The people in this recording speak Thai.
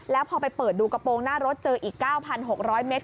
แล้วพอไปเปิดดูกระโปรงหน้ารถเจออีก๙๖๐๐เมตร